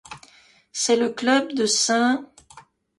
C'est le club de St.